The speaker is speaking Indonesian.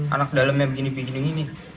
anak dalemnya begini begini